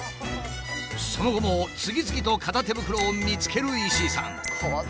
その後も次々と片手袋を見つける石井さん。